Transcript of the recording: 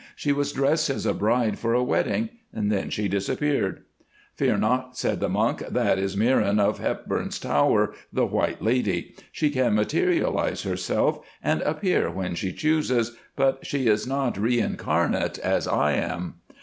She was dressed as a bride for a wedding; then she disappeared. "'Fear not,' said the monk, 'that is Mirren of Hepburn's Tower, the White Lady, she can materialise herself and appear when she chooses, but she is not reincarnate as I am.